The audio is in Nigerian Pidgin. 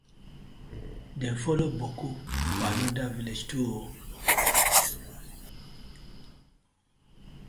Dem follow boku for another villag too oo.